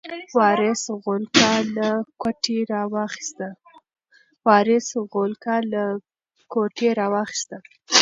وارث غولکه له کوټې راواخیسته.